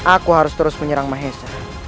aku harus terus menyerang mahesa